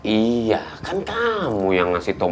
iya kan kamu yang ngasih tau